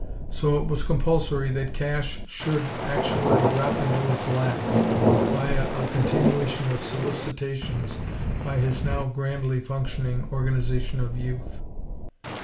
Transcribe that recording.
So it was compulsory that cash should actually "drop into his lap," via a continuation of solicitations by his now grandly functioning Organization of Youth.